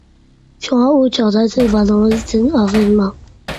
شۇڭا ئۇ چاغدا سىز بالىڭىزدىن ئاغرىنماڭ.